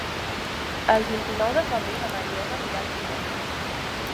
El vint-i-nou de febrer na Mariona anirà al cinema.